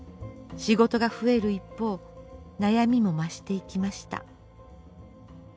仕事が増える一方悩みも増していきました。